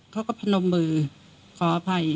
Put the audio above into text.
เขาก็พนมมือขออภัย